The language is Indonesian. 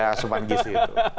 ya asupan gizi itu